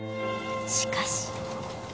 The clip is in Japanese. しかし。